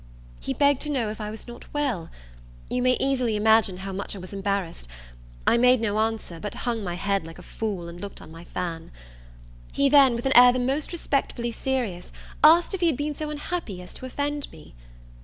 He begged to know if I was not well? You may easily imagine how much I was embarrassed. I made no answer; but hung my head like a fool, and looked on my fan. He then, with an air the most respectfully serious, asked if he had been so unhappy as to offend me?